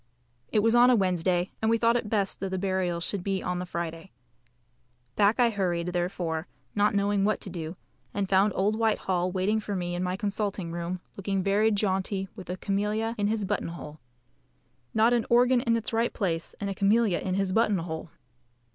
It was on a Wednesday, and we thought it best that the burial should be on the Friday. Back I hurried, therefore, not knowing what to do first, and found old Whitehall waiting for me in my consulting room, looking very jaunty with a camelia in his button hole. Not an organ in its right place, and a camelia in his button hole!